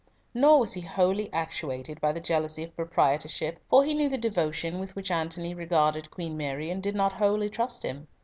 Nor was he wholly actuated by the jealousy of proprietorship, for he knew the devotion with which Antony regarded Queen Mary, and did not wholly trust him.